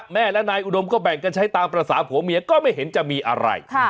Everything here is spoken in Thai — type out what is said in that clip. แม่และนายอุดมก็แบ่งกันใช้ตามภาษาผัวเมียก็ไม่เห็นจะมีอะไร